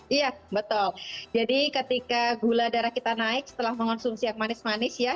iya betul jadi ketika gula darah kita naik setelah mengonsumsi yang manis manis ya